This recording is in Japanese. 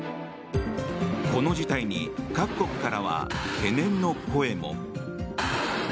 この事態に各国からは懸念の声も。